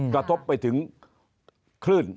กระทบไปถึงคลื่น